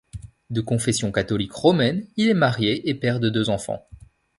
De confession catholique romaine, il est marié et père de deux enfants.